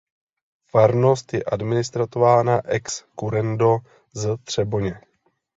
Farnost je administrována ex currendo z Třeboně.